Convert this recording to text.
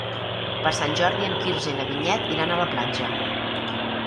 Per Sant Jordi en Quirze i na Vinyet iran a la platja.